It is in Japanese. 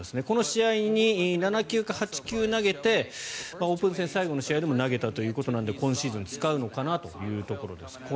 この試合に７球か８球投げてオープン戦最後の試合でも投げたということなので今シーズン使うのかなというところです。